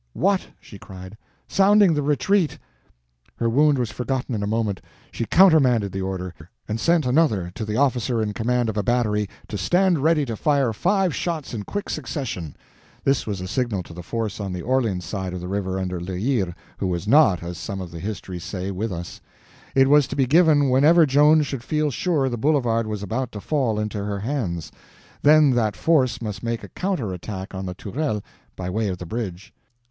"What!" she cried. "Sounding the retreat!" Her wound was forgotten in a moment. She countermanded the order, and sent another, to the officer in command of a battery, to stand ready to fire five shots in quick succession. This was a signal to the force on the Orleans side of the river under La Hire, who was not, as some of the histories say, with us. It was to be given whenever Joan should feel sure the boulevard was about to fall into her hands—then that force must make a counter attack on the Tourelles by way of the bridge.